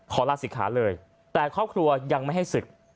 ลาศิกขาเลยแต่ครอบครัวยังไม่ให้ศึก